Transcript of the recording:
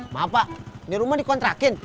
maaf pak ini rumah dikontrakin